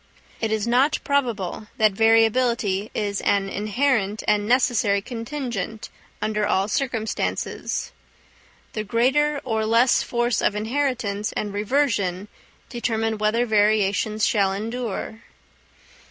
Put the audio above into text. It is not probable that variability is an inherent and necessary contingent, under all circumstances. The greater or less force of inheritance and reversion determine whether variations shall endure.